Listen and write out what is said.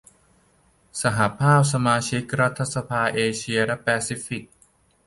สหภาพสมาชิกรัฐสภาเอเชียและแปซิฟิก